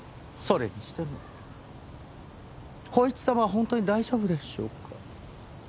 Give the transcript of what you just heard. それにしても孝一様は本当に大丈夫でしょうか？